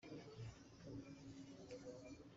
Ka paw a chong.